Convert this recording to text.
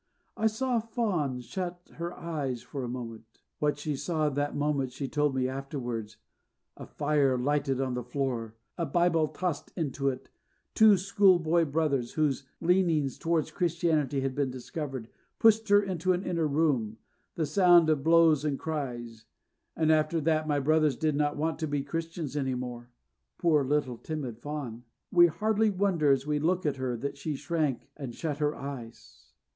I saw Fawn shut her eyes for a moment. What she saw in that moment she told me afterwards: a fire lighted on the floor, a Bible tossed into it, two schoolboy brothers (whose leanings towards Christianity had been discovered) pushed into an inner room, the sound of blows and cries. "And after that my brothers did not want to be Christians any more." Poor little timid Fawn! We hardly wonder as we look at her that she shrank and shut her eyes.